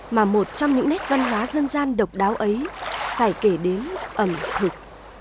mà một trong những nét văn hóa dân gian độc đáo ấy phải kể đến ẩm thực